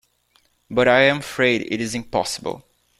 But I am afraid it is impossible.